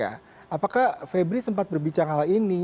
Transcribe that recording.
apakah febri sempat berbicara hal ini